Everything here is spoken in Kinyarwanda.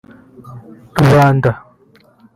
“Rubanda”